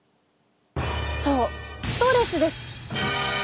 そうストレスです。